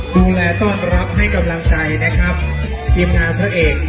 ดูแลต้อนรับให้กำลังใจนะครับทีมงานพระเอก